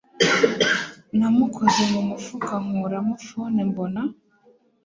namukoze mu mufuka nkuramo phone mbona